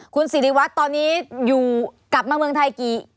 คุณสิริวัตรตอนนี้อยู่กลับมาเมืองไทยกี่